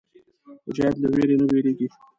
مجاهد له ویرې نه وېرېږي.